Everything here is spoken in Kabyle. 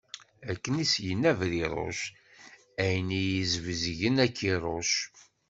Akken i as-yenna Bṛiṛuc: ayen iyi-sbezgen, ad k-iṛuc.